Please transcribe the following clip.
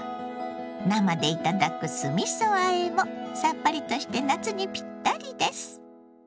生で頂く酢みそあえもさっぱりとして夏にピッタリです。